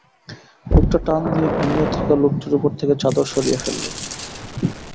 লোকটি টান দিয়ে ঘুমিয়ে থাকা লোকটির ওপর থেকে চাদর সরিয়ে ফেলল।